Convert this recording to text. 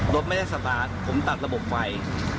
รถไม่ได้สตาร์ทผมตัดระบบไฟ